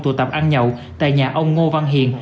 tụ tập ăn nhậu tại nhà ông ngô văn hiền